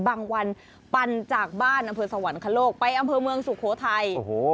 วันปั่นจากบ้านอำเภอสวรรคโลกไปอำเภอเมืองสุโขทัย